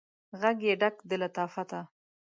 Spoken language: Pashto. ږغ یې ډک د لطافته